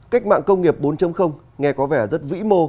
cách mạng công nghiệp bốn nghe có vẻ rất vĩ mô